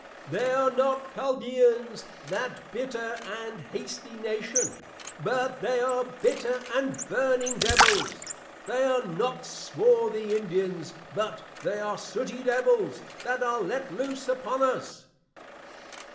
They are not Chaldeans, that Bitter and Hasty Nation, but they are, Bitter and Burning Devils; They are not Swarthy Indians, but they are Sooty Devils; that are let loose upon us.